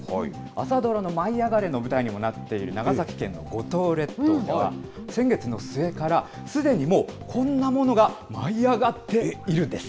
朝ドラの舞いあがれ！の舞台にもなっている長崎県の五島列島では、先月の末からすでにもう、こんなものが舞い上がっているんです。